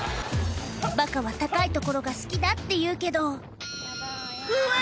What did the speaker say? バカは高い所が好きだっていうけどうわ